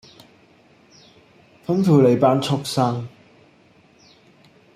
吩咐你班畜牲